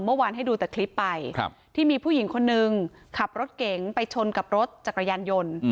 เมื่อวานให้ดูแต่คลิปไปที่มีผู้หญิงคนนึงขับรถเก๋งไปชนกับรถจักรยานยนต์